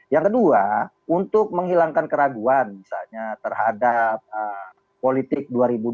yang kedua untuk menghilangkan keraguan misalnya terhadap politik dua ribu dua puluh